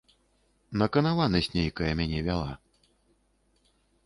Наканаванасць нейкая мяне вяла.